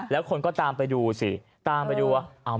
แล้วคนก็ตามไปดูสิตามไปดูว่า